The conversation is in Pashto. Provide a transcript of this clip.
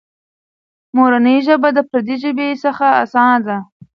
مورنۍ ژبه د پردۍ ژبې څخه اسانه ده.